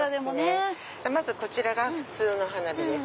まずこちらが普通の花火です。